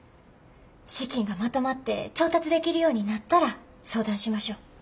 資金がまとまって調達できるようになったら相談しましょう。